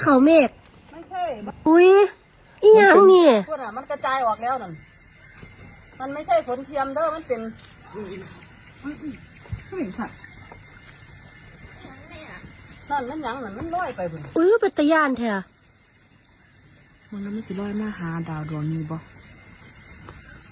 ร้อยมหาดาวตรงนี้บ้างอุ้ยมันคืออย่างนี้มันคือร้อยมหาดาวตรงนี้บ้าง